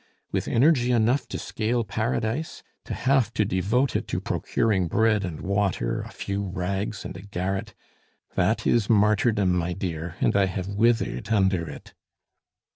With energy enough to scale Paradise, to have to devote it to procuring bread and water, a few rags, and a garret! That is martyrdom, my dear, and I have withered under it."